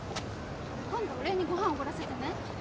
今度お礼にご飯おごらせてね。